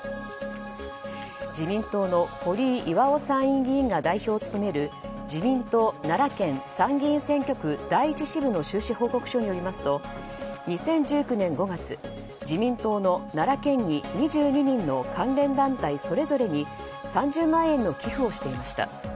自民党の堀井巌参院議員が代表を務める自民党奈良県参議院選挙区第１支部の収支報告書によりますと２０１９年５月自民党の奈良県議２２人の関連団体それぞれに３０万円の寄付をしていました。